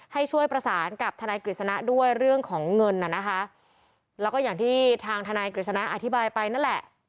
ให้ช่วยประสานกับทนายกฤษณะด้วยเรื่องของเงินน่ะนะคะแล้วก็อย่างที่ทางทนายกฤษณะอธิบายไปนั่นแหละ